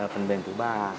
phần mềm thứ ba